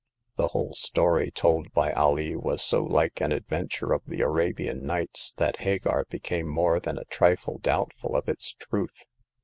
The whole story told by Alee w^as so like an adventure of the Arabian Nights" that Hagar became more than a trifle doubtful of its truth.